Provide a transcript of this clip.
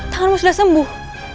tanganmu sudah sembuh